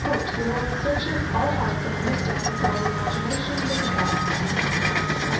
"The Lord searcheth all hearts, and understandeth all the imaginations of the thoughts."